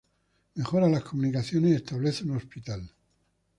Mejora las comunicaciones y establece un hospital.